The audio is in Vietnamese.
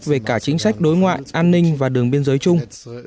về cả chính sách đối ngoại an ninh và đường biên giới chung